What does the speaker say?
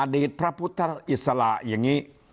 อดีตพระพุทธอิสระอย่างนี้